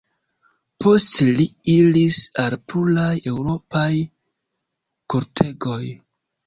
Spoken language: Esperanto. Poste li iris al pluraj eŭropaj kortegoj.